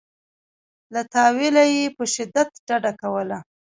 له تأویله یې په شدت ډډه کوله.